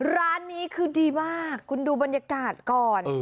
ร้านนี้คือดีมากคุณดูบรรยากาศก่อน